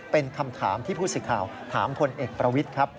เป็นคำถามที่ผู้สิทธิ์ข่าวถามพลเอกประวิทย์ครับ